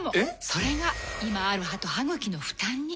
それが今ある歯と歯ぐきの負担に。